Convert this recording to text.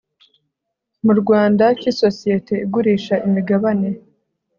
mu Rwanda cy isosiyete igurisha imigabane